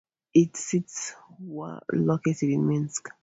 Its seat was located in Minsk.